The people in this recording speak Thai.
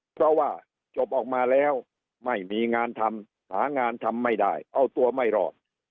เพราะว่าจบออกมาแล้วไม่มีงานทำหางานทำไม่ได้เอาตัวไม่รอด